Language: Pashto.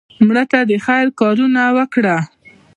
مړه ته د خیر کارونه وکړه